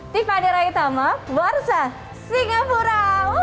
tiva di raiutama borsa singapura